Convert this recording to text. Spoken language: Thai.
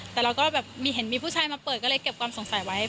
แต่เราก็แบบมีเห็นมีผู้ชายมาเปิดก็เลยเก็บความสงสัยไว้